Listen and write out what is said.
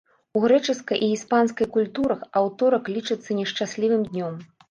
У грэчаскай і іспанскай культурах аўторак лічыцца нешчаслівым днём.